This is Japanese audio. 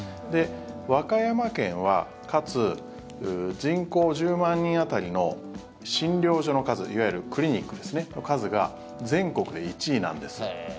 和歌山県は、かつ人口１０万人当たりの診療所の数いわゆるクリニックの数が全国で１位なんです。